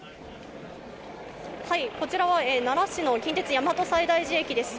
はい、こちらは奈良市の近鉄・大和西大寺駅です。